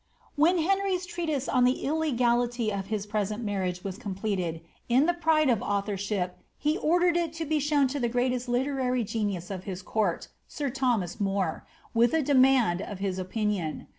When Henry's treatise on the illegality of his present marriage was completed, in the pride of authorship he ordered it to be shown to the greatest literary genius of liis court, sir Thomas More, with a demand of his opinion.